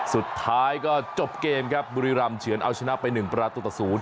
สุดท้ายก็จบเกมครับบุรีรัมย์เฉียนเอาชนะไปหนึ่งประตูต่อศูนย์